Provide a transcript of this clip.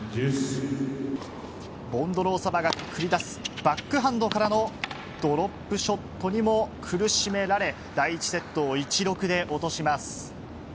ボンドロウソバが繰り出す、バックハンドからのドロップショットにも苦しめられ、第１セットを１ー６で落とします。